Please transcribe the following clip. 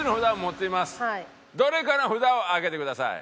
どれかの札を上げてください。